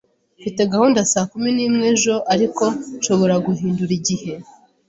Mfite gahunda saa kumi n'imwe ejo, ariko nshobora guhindura igihe?